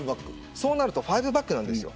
そうなると５バックなんですよ。